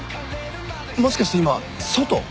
もしかして今外？